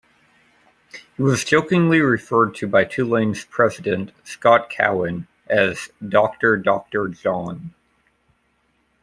He was jokingly referred to by Tulane's president, Scott Cowen, as "Doctor Doctor John".